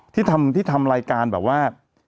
ที่ทำที่ทำรายการแบบว่า